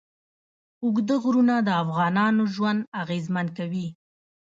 اوږده غرونه د افغانانو ژوند اغېزمن کوي.